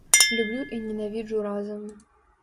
Люблю і ненавіджу разам.